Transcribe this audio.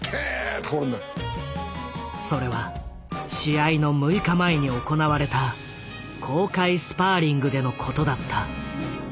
それは試合の６日前に行われた公開スパーリングでのことだった。